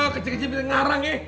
kecil kecilnya ngarang nih